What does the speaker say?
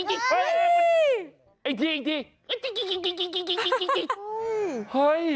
อีกทีอีกที